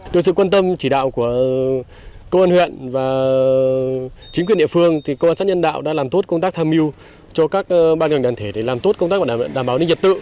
được sự quan tâm chỉ đạo của công an huyện và chính quyền địa phương thì công an xã nhân đạo đã làm tốt công tác tham mưu cho các ban ngành đàn thể để làm tốt công tác và đảm bảo định dật tự